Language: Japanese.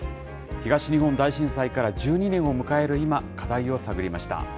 東日本大震災から１２年を迎える今、課題を探りました。